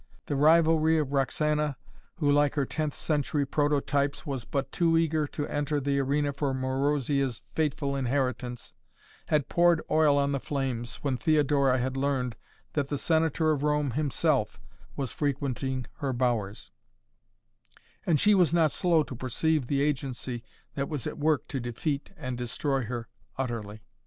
The rivalry of Roxaná, who, like her tenth century prototypes, was but too eager to enter the arena for Marozia's fateful inheritance, had poured oil on the flames when Theodora had learned that the Senator of Rome himself was frequenting her bowers, and she was not slow to perceive the agency that was at work to defeat and destroy her utterly.